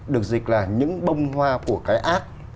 được dịch là những bông hoa của cái ác